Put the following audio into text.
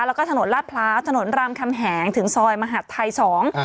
แล้วก็ถนนลาดพร้าวถนนรามคำแหงถึงซอยมหัฐไทยสอง